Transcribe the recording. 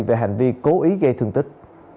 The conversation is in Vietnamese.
về hành vi cố ý gây thương tích